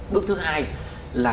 bước thứ hai là